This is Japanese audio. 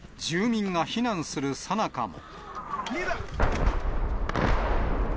住民が避難するさなかも。